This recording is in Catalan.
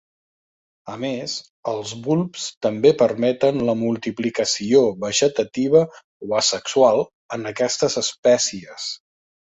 A més, els bulbs també permeten la multiplicació vegetativa o asexual en aquestes espècies.